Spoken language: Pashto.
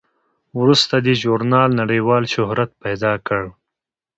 وروسته دې ژورنال نړیوال شهرت پیدا کړ.